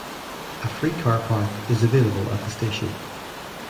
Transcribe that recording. A free car park is available at the station.